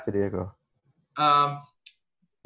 iya itu dia kok